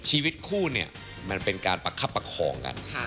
ชีวิตคู่เนี่ยมันเป็นการประคับประคองกัน